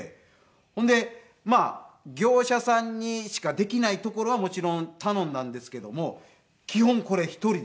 ほんで業者さんにしかできないところはもちろん頼んだんですけども基本これ１人で。